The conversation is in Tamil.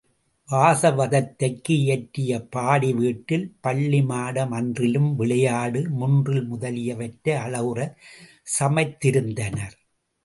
வாசவதத்தைக்கு இயற்றிய பாடி வீட்டில் பள்ளிமாடம், அன்றிலும் விளையாடு முன்றில் முதலியவற்றை அழகுறச் சமைத்திருந்தனர்.